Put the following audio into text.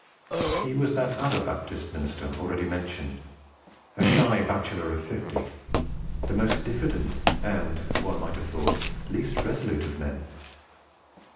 He was that other Baptist already mentioned, a shy bachelor of fifty, the most diffident and (one might have thought) least resolute of men.